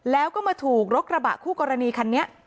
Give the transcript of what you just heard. แล้วก็มาถูกรถกระบะคู่กรณีคันนี้